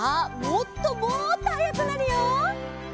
もっともっとはやくなるよ！